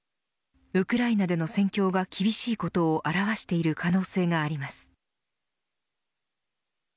ウクライナでの戦況が厳しいことを表している可能性があります。